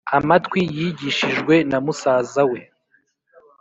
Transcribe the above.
amatwi yigishijwe na musaza we